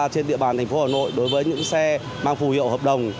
trên địa bàn thành phố hà nội đối với những xe mang phù hiệu hợp đồng